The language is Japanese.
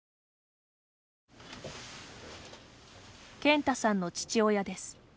健太さんの父親です。